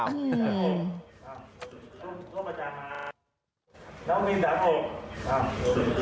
น้องเห็นดั่งหก